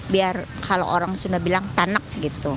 biar kalau orang sunda bilang tanah gitu